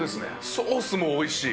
ソースもおいしい。